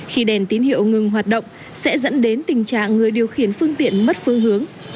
khi đèn tín hiệu ngừng hoạt động sẽ dẫn đến tình trạng người điều khiển phương tiện mất phương hướng